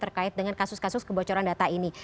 terkait dengan kasus kasus kebocoran data ini